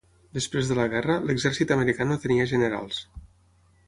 Després de la guerra, l'exèrcit americà no tenia generals.